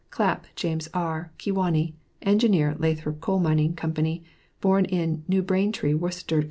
CLAPP JAMES R. Kewanee; Engineer Lathrop Coal Mining Co; born in New Brain tree, Worcester Co.